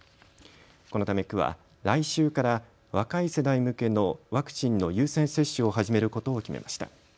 このため区は来週から若い世代向けのワクチンの優先接種を始めることを決めました。